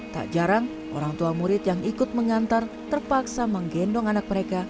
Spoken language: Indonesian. tak jarang orang tua murid yang ikut mengantar terpaksa menggendong anak mereka